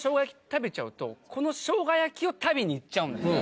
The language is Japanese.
食べちゃうとこの生姜焼きを食べに行っちゃうんですよ